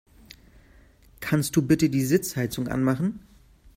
Kannst du bitte die Sitzheizung anmachen?